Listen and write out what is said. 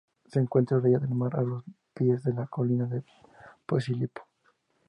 Se encuentra a orillas del mar, a los pies de la colina de Posillipo.